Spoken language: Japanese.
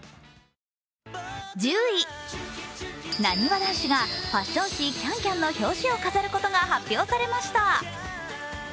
１０位、なにわ男子がファッション誌「ＣａｎＣａｍ」の表紙を飾ることが発表されました。